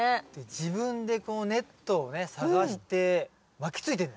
自分でこうネットをね探して巻きついてんの。